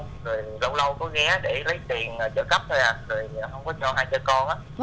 rồi lâu lâu có ghé để lấy tiền chợ cấp thôi à